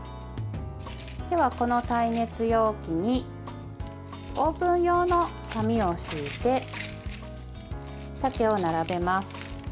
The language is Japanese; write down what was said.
では、この耐熱容器にオーブン用の紙を敷いてさけを並べます。